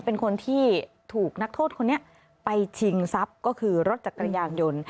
เป็นคนที่ถูกนักโทษคนนี้ไปชิงทรัพย์ก็คือรถจักรยานยนต์